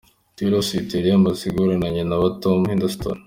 Taylor Swift yari yaramaze guhura na nyina wa Tom Hiddleston.